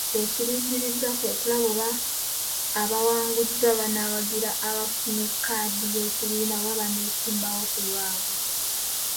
Ekirindiriddwa kwe kulaba oba abawanguddwa banaawagira abafunye kkaadi y'ekibiina oba baneesimbawo ku lwabwe.